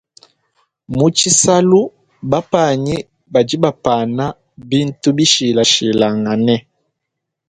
Mutshisalu bapanyi badi bapana bintu bishilashilangane.